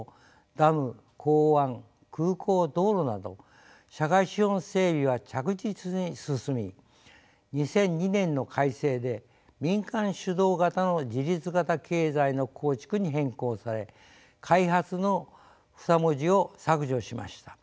ダム港湾空港道路など社会資本整備は着実に進み２００２年の改正で「民間主導型の自立型経済の構築」に変更され「開発」の２文字を削除しました。